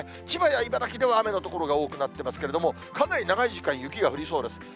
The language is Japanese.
千葉や茨城では雨の所が多くなっていますけれども、かなり長い時間、雪が降りそうです。